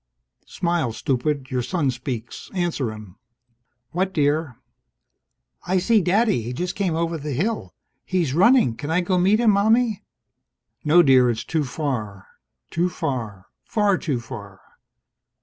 Smile, stupid. Your son speaks. Answer him. "What, dear?" "I see Daddy! He just came over the hill. He's running! Can I go meet him, Mommie?" "No, dear. It's too far." Too far. Far too far.